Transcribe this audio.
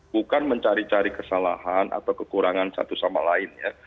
bukan mencari cari kesalahan atau kekurangan satu sama lain ya